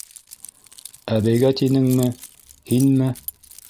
- Әбейгә тинеңме? һинме?